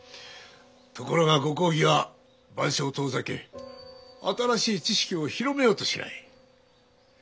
ところがご公儀は蕃書を遠ざけ新しい知識を広めようとしない。